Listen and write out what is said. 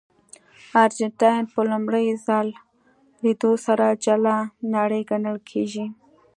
ارجنټاین په لومړي ځل لیدو سره جلا نړۍ ګڼل کېږي.